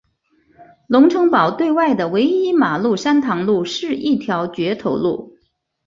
龙成堡对外的唯一马路山塘路是一条掘头路。